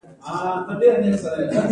یا هم کېدای شي زموږ د احساس مطابق وي.